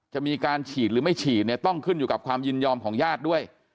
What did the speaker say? จะมีการฉีดหรือไม่ฉีดเนี่ยต้องขึ้นอยู่กับความยินยอมของญาติด้วย